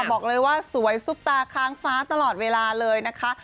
บอกเลยว่าสวยซุปตาค้างฟ้าตลอดเวลาเลยนะคะ